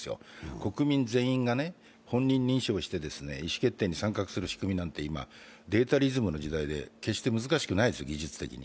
国民全員が本人認証をして意思決定に参画する仕組みなんて今データリズムの時代で決して難しくないですよ、技術的に。